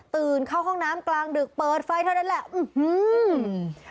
เข้าห้องน้ำกลางดึกเปิดไฟเท่านั้นแหละอืม